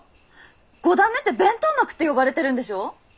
五段目って弁当幕って呼ばれてるんでしょ？